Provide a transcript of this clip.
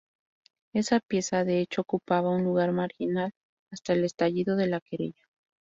Esa pieza, de hecho, ocupaba un lugar marginal hasta el estallido de la querella.